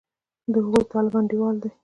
د هغوی طالب انډېوالان دي.